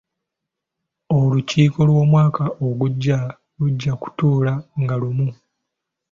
Olukiiko lw'Omwaka ogujja lujja kutuula nga lumu.